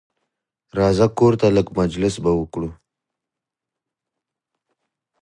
راځه کورته لېږ مجلس به وکړو